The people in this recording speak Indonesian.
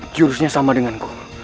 jurusnya sama denganku